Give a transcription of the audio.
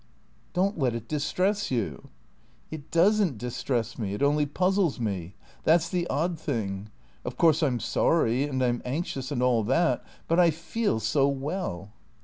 "Don't let it distress you." "It doesn't distress me. It only puzzles me. That's the odd thing. Of course, I'm sorry and I'm anxious and all that; but I feel so well."